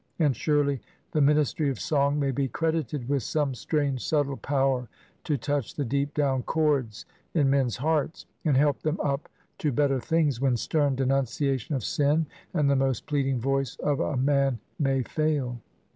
And surely the minis try of song may be credited with some strange subtle power to touch the deep down chords in men's hearts, and help them up to better things, when stern denuncia tion of sin and the most pleading voice of a man may fail.